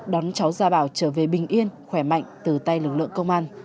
đón cháu gia bảo trở về bình yên khỏe mạnh từ tay lực lượng công an